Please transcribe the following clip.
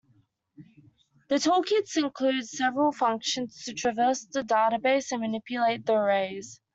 The toolkit includes several functions to traverse the data base and manipulate the arrays.